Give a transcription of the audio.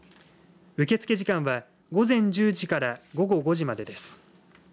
受け付け時間は午前１０時から午後５時までです。